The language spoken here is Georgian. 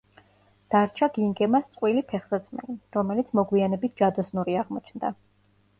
დარჩა გინგემას წყვილი ფეხსაცმელი, რომელიც მოგვიანებით ჯადოსნური აღმოჩნდა.